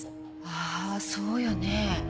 ああそうよね。